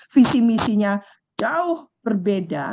visi misinya jauh berbeda